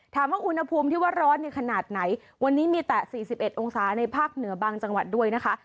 ถามว่าอุณหภูมิที่ว่าร้อนในขนาดไหนวันนี้มีแต่๔๑องศาในภาคเหนือบางจังหวัดด้วยนะคะ